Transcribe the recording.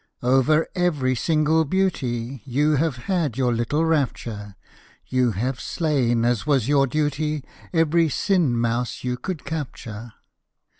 Over every single beauty You have had your little rapture; You have slain, as was your duty, Every sin mouse you could capture.